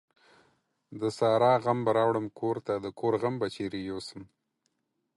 د سارا غم به راوړم کورته ، دکور غم به چيري يو سم ؟.